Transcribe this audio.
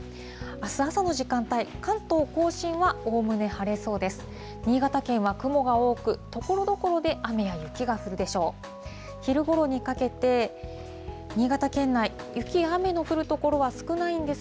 あす朝の時間帯、関東甲信はおおむね晴れそうです。